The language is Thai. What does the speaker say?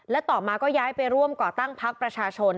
และต่อมาก็ย้ายไปร่วมก่อตั้งพักประชาชน